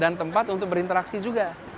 dan tempat untuk berinteraksi juga